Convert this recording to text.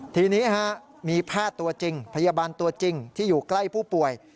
ทีนี้มีแพทย์ตัวจริงพยาบาลตัวจริงที่อยู่ใกล้ผู้ป่วย